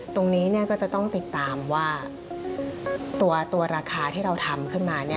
ตรงนี้ก็จะต้องติดตามว่าตัวราคาที่เราทำขึ้นมา